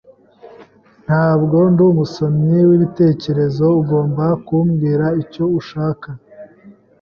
Ntabwo ndi umusomyi wibitekerezo. Ugomba kumbwira icyo ushaka.